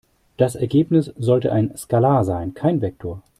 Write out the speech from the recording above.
Das Ergebnis sollte ein Skalar sein, kein Vektor.